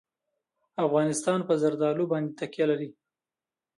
افغانستان په زردالو باندې تکیه لري.